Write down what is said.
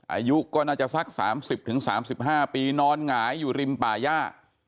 อายุก็น่าจะสักสามสิบถึงสามสิบห้าปีนอนหงายอยู่ริมป่าย่า